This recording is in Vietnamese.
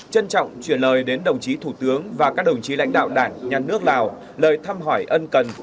trân trọng chuyển lời đến đồng chí thủ tướng và các đồng chí lãnh đạo đảng nhà nước lào lời thăm hỏi ân cần